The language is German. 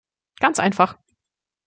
Ganz einfach.